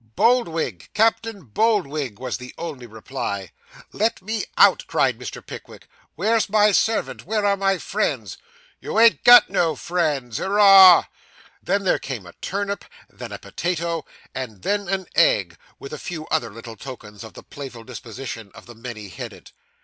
Boldwig! Captain Boldwig!' was the only reply. 'Let me out,' cried Mr. Pickwick. 'Where's my servant? Where are my friends?' 'You ain't got no friends. Hurrah!' Then there came a turnip, then a potato, and then an egg; with a few other little tokens of the playful disposition of the many headed.